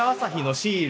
シール。